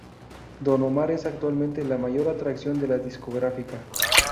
Don Omar es actualmente la mayor atracción de la discográfica.